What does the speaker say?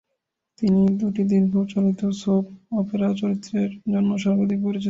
তিনি দুটি দীর্ঘ-চলিত soap Opera চরিত্রের জন্য সর্বাধিক পরিচিত।